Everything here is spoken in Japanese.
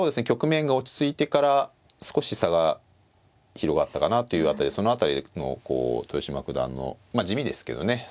局面が落ち着いてから少し差が広がったかなという辺りでその辺りのこう豊島九段のまあ地味ですけどね